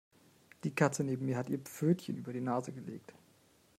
Die Katze neben mir hat ihr Pfötchen über ihre Nase gelegt.